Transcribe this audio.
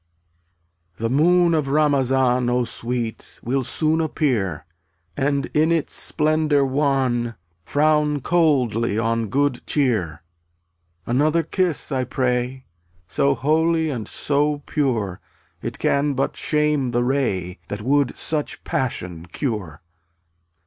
©mat The moon of Ramazan O Sweet, will soon appear, £$ And in its splendor wan >u ^£, Frown coldly on good cheer. 8UTI 5 Another kiss, I pray; So holy and so pure, It can but shame the ray That would such passion cure.